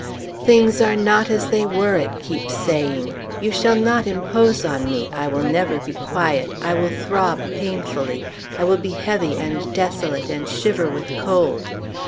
"Things are not as they were!" it keeps saying. "You shall not impose on me! I will never be quiet! I will throb painfully! I will be heavy, and desolate, and shiver with cold!